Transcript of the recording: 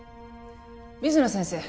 水野先生